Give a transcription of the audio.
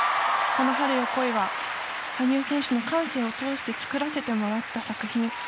この「春よ、来い」は羽生選手の感性を通して作らせてもらった作品。